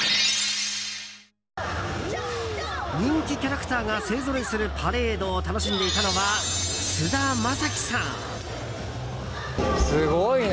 人気キャラクターが勢ぞろいするパレードを楽しんでいたのは菅田将暉さん。